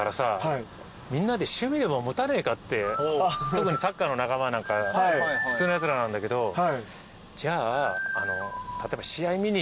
特にサッカーの仲間なんか普通のやつらなんだけどじゃあ例えば試合見に行ってね